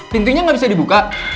pintunya nggak bisa dibuka